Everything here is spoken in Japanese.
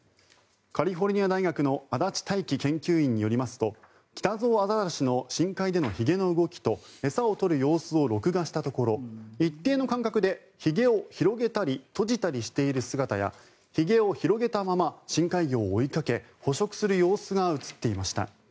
カリフォルニア大学の安達大輝研究員によりますとキタゾウアザラシの深海でのひげの動きと餌を取る様子を録画したところ一定の間隔でひげを広げたり閉じたりしている姿やひげを広げたまま深海魚を追いかけ捕食する様子が映っていました。